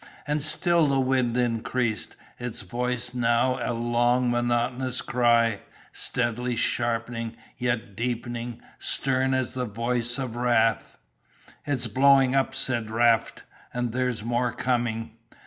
And still the wind increased, its voice now a long monotonous cry, steadily sharpening, yet deepening, stern as the Voice of Wrath. "It's blowing up," said Raft, "and there's more coming."